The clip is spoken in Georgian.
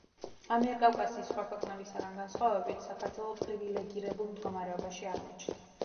ამიერკავკასიის სხვა ქვეყნებისაგან განსხვავებით, საქართველო პრივილეგირებულ მდგომარეობაში აღმოჩნდა.